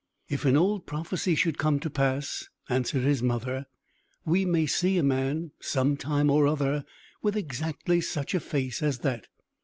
"If an old prophecy should come to pass," answered his mother, "we may see a man, some time or other, with exactly such a face as that."